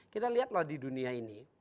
kita lihatlah di dunia ini